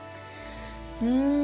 うん。